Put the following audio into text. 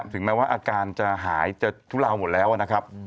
ถึงแม้ว่าอาการจะหายจะทุลาวหมดแล้วนะครับ